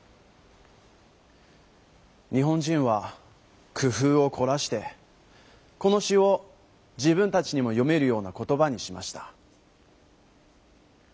日本人はくふうをこらしてこの詩を自分たちにも読めるような言葉にしました。